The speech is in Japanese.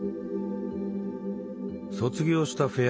卒業したフェア